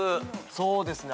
そうですね